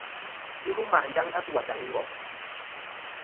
Ghɨ lum ma' njaŋ a tu achaŋ i ngom.